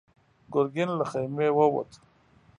ګرګين له خيمې ووت.